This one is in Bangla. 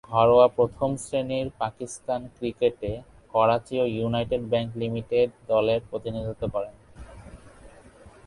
ঘরোয়া প্রথম-শ্রেণীর পাকিস্তানি ক্রিকেটে করাচি ও ইউনাইটেড ব্যাংক লিমিটেড দলের প্রতিনিধিত্ব করেন।